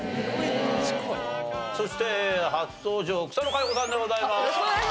そして初登場草野華余子さんでございます。